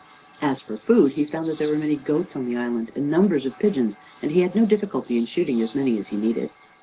As for food, he found that there were many goats on the island, and numbers of pigeons, and he had no difficulty in shooting as many as he needed.